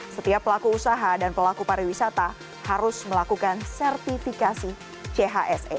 setiap pelaku usaha dan pelaku pariwisata harus melakukan sertifikasi chse